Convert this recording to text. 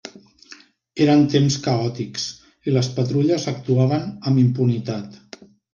Eren temps caòtics i les patrulles actuaven amb impunitat.